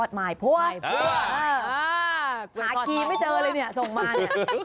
หาคีย์ไม่เจอเลยเนี่ยส่งมาเนี่ย